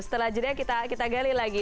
setelah jeda kita gali lagi